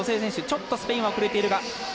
ちょっとスペインは遅れているが。